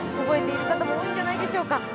覚えている方も多いのではないでしょうか。